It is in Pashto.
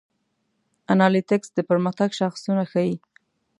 انالیتکس د پرمختګ شاخصونه ښيي.